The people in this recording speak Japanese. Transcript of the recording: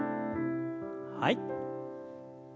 はい。